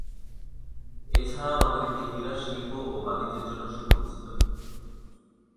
এছাড়া নগরীটি হীরার শিল্প ও বাণিজ্যের জন্য সুপরিচিত।